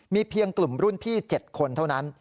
มีเพียงกลุ่มรุ่นพี่๗คนเท่านั้น